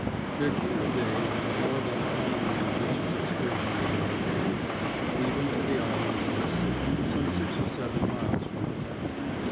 There came a day when a more than commonly ambitious excursion was undertaken, even to the islands in the sea, some six or seven miles from the town.